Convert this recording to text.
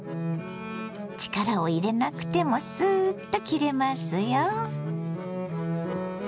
力を入れなくてもスーッと切れますよ。